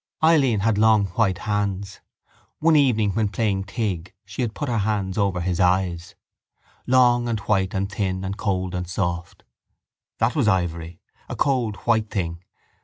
Eileen had long white hands. One evening when playing tig she had put her hands over his eyes: long and white and thin and cold and soft. That was ivory: a cold white thing.